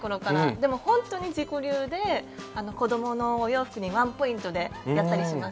でもほんとに自己流で子どものお洋服にワンポイントでやったりします。